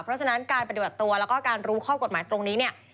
เพราะฉะนั้นการปฏิบัติตัวแล้วก็การรู้ข้อกฎหมายตรงนี้เนี่ย